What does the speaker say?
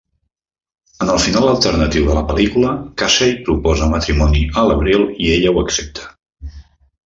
En el final alternatiu de la pel·lícula, Casey proposa matrimoni a l'Abril i ella ho accepta.